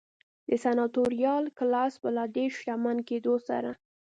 د سناتوریال کلاس په لا ډېر شتمن کېدو سره.